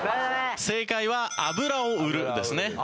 正解は「油を売る」ですね。